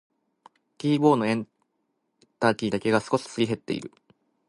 キーボードのエンターキーだけが少しすり減っている。